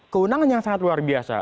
keunangan yang sangat luar biasa